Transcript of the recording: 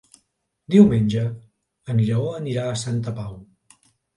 Diumenge en Lleó anirà a Santa Pau.